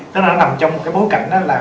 tức là nó nằm trong một cái bối cảnh đó là